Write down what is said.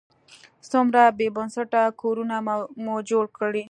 څومره بې بنسټه کورونه مو جوړ کړي.